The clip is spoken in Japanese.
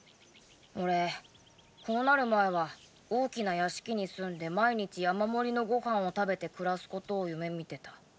俺こうなる前は大きな屋敷に住んで毎日山盛りのご飯を食べて暮らすことを夢見てた。